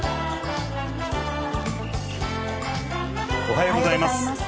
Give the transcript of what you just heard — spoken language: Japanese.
おはようございます。